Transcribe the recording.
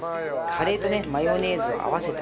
カレーとねマヨネーズを合わせてあげる。